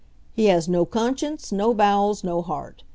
He has no conscience, no bowels, no heart.